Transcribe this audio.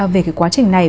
về cái quá trình này